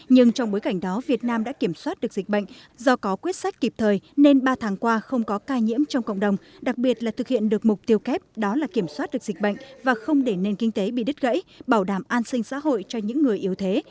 nhưng trong bối cảnh đó việt nam đã kiểm soát được dịch bệnh do có quyết sách kịp thời nên ba tháng qua không có ca nhiễm trong cộng đồng đặc biệt là thực hiện được mục tiêu kép đó là kiểm soát được dịch bệnh và không để nền kinh tế bị đứt gãy bảo đảm an sinh xã hội cho những người yếu thế